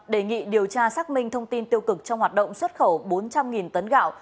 đề nghị điều tra xác minh thông tin tiêu cực trong hoạt động xuất khẩu bốn trăm linh tấn gạo